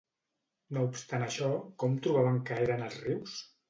No obstant això, com trobaven que eren els rius?